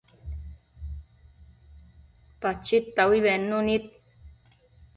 Pachid taui bednu nid